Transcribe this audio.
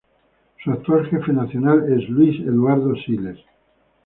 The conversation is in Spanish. Su actual jefe nacional es Luis Eduardo Siles.